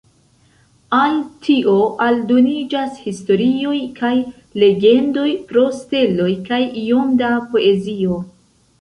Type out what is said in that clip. Al tio aldoniĝas historioj kaj legendoj pro steloj kaj iom da poezio.